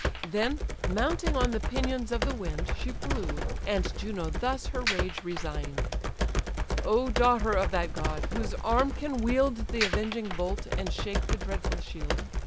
Then, mounting on the pinions of the wind, She flew; and Juno thus her rage resign'd: "O daughter of that god, whose arm can wield The avenging bolt, and shake the saber shield!